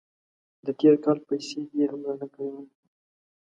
د تیر کال پیسې دې هم نه راکولې.